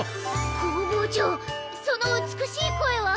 工房長その美しい声は？